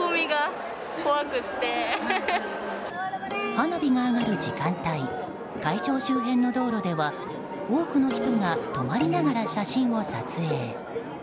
花火が上がる時間帯会場周辺の道路では多くの人が止まりながら写真を撮影。